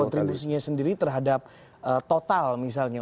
kontribusinya sendiri terhadap total misalnya